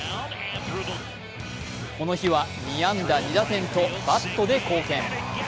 この日は２安打２打点とバットで貢献。